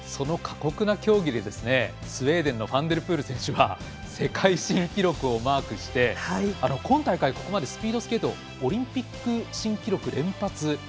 過酷な競技でスウェーデンのファンデルプール選手は世界新記録をマークして今大会、ここまでスピードスケートオリンピック新記録連発。